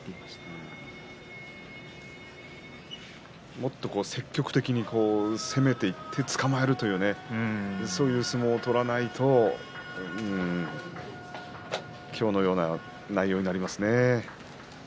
もっと積極的に攻めていって、つかまえるというそうした相撲を取らないと今日のような内容になってしまいます。